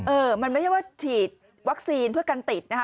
เออมันไม่ใช่ว่าฉีดวัคซีนเพื่อกันติดนะคะ